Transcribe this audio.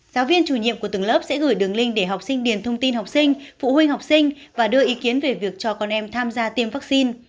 giáo viên chủ nhiệm của từng lớp sẽ gửi đường link để học sinh điền thông tin học sinh phụ huynh học sinh và đưa ý kiến về việc cho con em tham gia tiêm vaccine